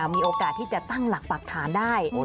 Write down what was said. มีโอกาสที่จะตั้งหลักปรักฐานได้